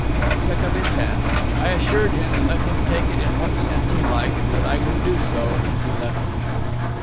He took up his hat. I assured him, and let him take it in what sense he liked, that I would do so; and he left me.